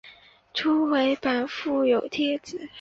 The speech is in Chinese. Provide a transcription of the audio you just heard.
初回版附有贴纸。